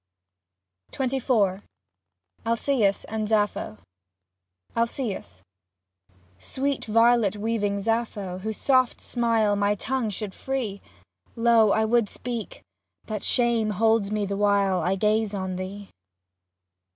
37 XXIV ALCiEUS AND SAPPHO Alc^eus Sweet violet weaving Sappho, whose soft smile My tongue should free, Lo, I would speak, but shame holds me the while I gaze on thee.